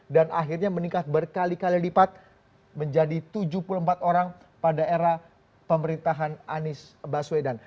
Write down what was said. dan akhirnya meningkat berkali kali lipat menjadi tujuh puluh empat orang pada era pemerintahan anies baswedan